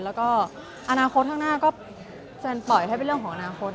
แล้วก็อนาคตข้างหน้าก็จะปล่อยให้เป็นเรื่องของอนาคต